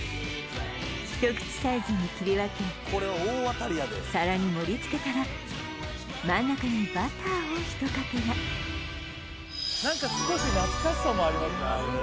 一口サイズに切り分け皿に盛り付けたら真ん中にバターをひとかけら何か少し懐かしさもありますね